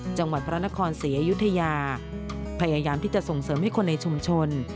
จังหวัดพระนครศรีอยุธยาพยายามที่จะส่งเสริมให้คนในชุมชน